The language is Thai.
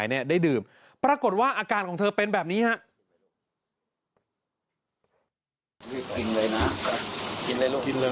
พระอาจารย์ออสบอกว่าอาการของคุณแป๋วผู้เสียหายคนนี้อาจจะเกิดจากหลายสิ่งประกอบกัน